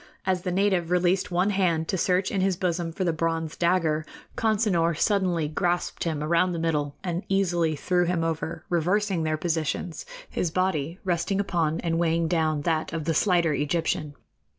As the native released one hand to search in his bosom for the bronze dagger, Consinor suddenly grasped him around the middle and easily threw him over, reversing their positions, his body resting upon and weighing down that of the slighter Egyptian.